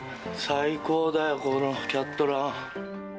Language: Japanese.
最高だよ、このキャットラン。